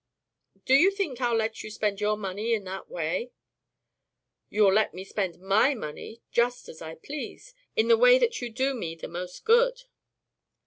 "Do you think I'll let you spend your money in that way?" "You'll let me spend MY money just as I please in the way that will do me the most good!"